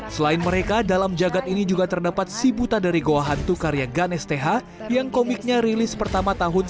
selain mereka dalam jagad ini juga terdapat si buta dari goa hantu karya ganesh teha yang komiknya rilis pertama tahun seribu sembilan ratus enam puluh tujuh